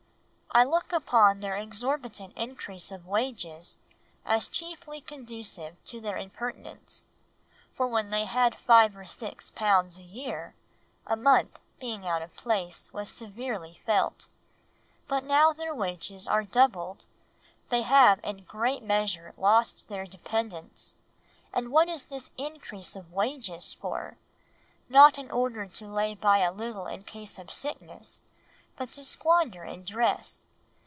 I look upon their exorbitant increase of wages as chiefly conducive to their impertinence; for when they had five or six pounds a year, a month being out of place was severely felt; but now their wages are doubled, they have in great measure lost their dependence. And what is this increase of wages for? Not in order to lay by a little in case of sickness, but to squander in dress.